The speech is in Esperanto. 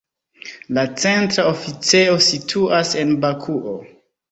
La centra oficejo situas en Bakuo.